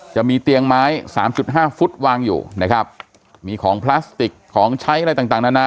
จะมีเตียงไม้สามจุดห้าฟุตวางอยู่นะครับมีของพลาสติกของใช้อะไรต่างต่างนานา